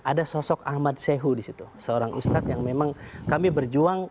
ada sosok ahmad sehu di situ seorang ustadz yang memang kami berjuang